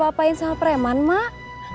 neng diapa apain sama preman mak